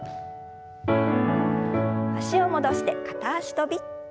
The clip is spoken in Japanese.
脚を戻して片脚跳び。